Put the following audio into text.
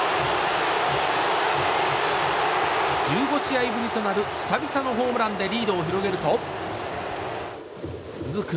１５試合ぶりとなる久々のホームランでリードを広げると続く